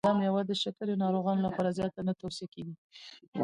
دا مېوه د شکرې ناروغانو لپاره زیاته نه توصیه کېږي.